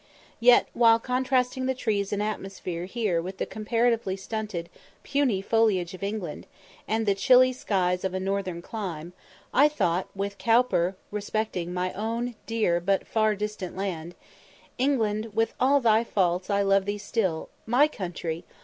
Yet, while contrasting the trees and atmosphere here with the comparatively stunted, puny foliage of England, and the chilly skies of a northern clime, I thought with Cowper respecting my own dear, but far distant land "England, with all thy faults I love thee still My country!